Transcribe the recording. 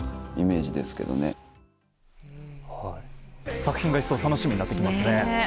作品が一層、楽しみになってきますね。